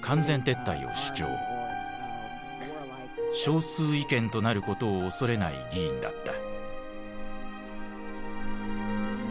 少数意見となることを恐れない議員だった。